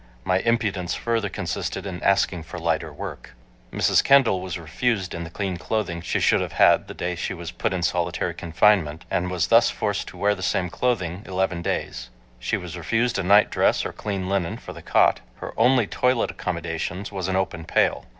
My impudence further consisted in asking for lighter work." Mrs. Kendall was refused the clean clothing she should have had the day she was put in solitary confinement and was thus forced to wear the same clothing eleven days. She was refused a nightdress or clean linen for the cot. Her only toilet accommodations was an open pail.